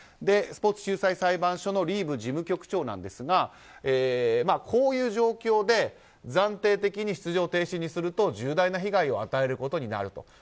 スポーツ仲裁裁判所のリーブ事務局長なんですがこういう状況で暫定的に出場停止にすると重大な被害を与えることになると。